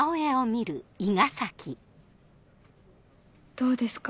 どうですか？